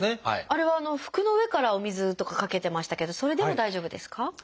あれは服の上からお水とかかけてましたけどそれでも大丈夫ですか？